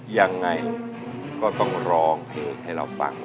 ยังไงก็ต้องร้องเพลงให้เราฟัง